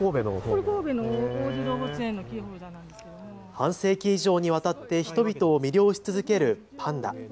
半世紀以上にわたって人々を魅了し続けるパンダ。